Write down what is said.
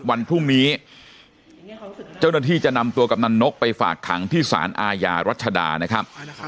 วันพรุ่งนี้เจ้าหน้าที่จะนำตัวกำนันนกไปฝากขังที่สารอาญารัชดานะครับ